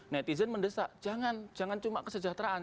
netizen mendesak jangan cuma kesejahteraan